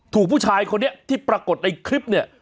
ถูกผู้ชายคนนี้ที่ปรากฏในคลิปเนี่ย